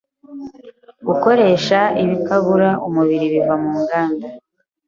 Gukoresha ibikabura umubiri biva mu nganda